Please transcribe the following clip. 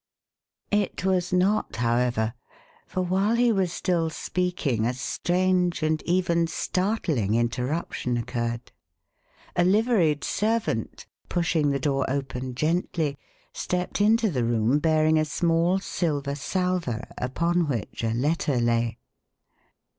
It was not, however; for while he was still speaking a strange and even startling interruption occurred. A liveried servant, pushing the door open gently, stepped into the room bearing a small silver salver upon which a letter lay.